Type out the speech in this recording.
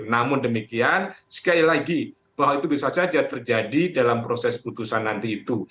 namun demikian sekali lagi bahwa itu bisa saja terjadi dalam proses putusan nanti itu